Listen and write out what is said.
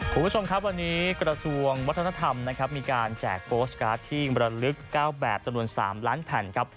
คุณผู้ชมครับวันนี้กระทรวงวัฒนธรรมนะครับมีการแจกโปสตการ์ดที่มรลึก๙แบบจำนวน๓ล้านแผ่นครับ